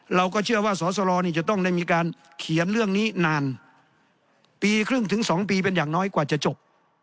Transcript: เราก็เชื่อว่าสอสรจะต้องได้มีการเขียนเรื่องนี้นานปีครึ่งถึง๒ปีเป็นอย่างน้อยกว่าจะจบ